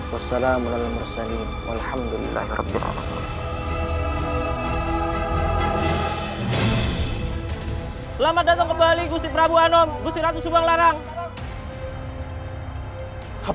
wassalamualaikum warahmatullahi wabarakatuh